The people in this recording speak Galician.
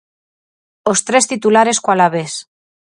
Os tres titulares co Alavés.